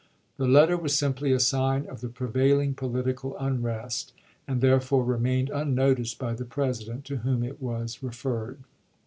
The letter was simply a sign of the prevailing political unrest, and therefore remained unnoticed by the President, to whom it was referred.